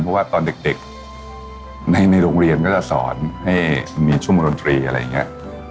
เพราะว่าตอนเด็กในโรงเรียนก็จะสอนให้มีชั่วโมงดนตรีอะไรอย่างนี้